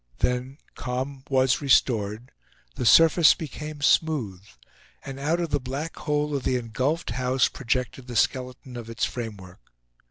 Then calm was restored, the surface became smooth; and out of the black hole of the engulfed house projected the skeleton of its framework.